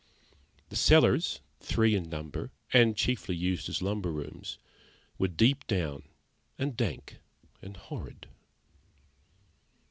The cellars, three in number, and chiefly used as lumber rooms, were deep down and dank and horrid.